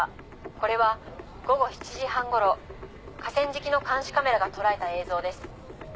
これは午後７時半ごろ河川敷の監視カメラがとらえた映像です。